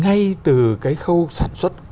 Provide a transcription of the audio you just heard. ngay từ cái khâu sản xuất